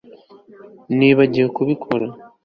Nibagiwe kubikora